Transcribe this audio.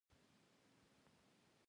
ایا زه باید پیاده وګرځم؟